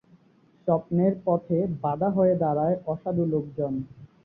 স্বপ্নের পথে বাধা হয়ে দাঁড়ায় অসাধু লোকজন।